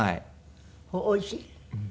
おいしい？